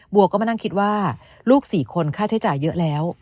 วัวก็มานั่งคิดว่าลูก๔คนค่าใช้จ่ายเยอะแล้ว